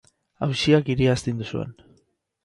Auziak hiria astindu zuen.